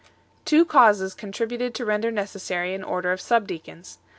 Two causes contributed to render necessary an order of Subdeacons.